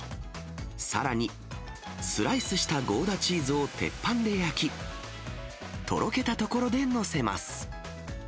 さらにスライスしたゴーダチーズを鉄板で焼き、とろけたところで載せます。